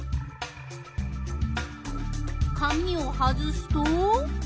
紙を外すと？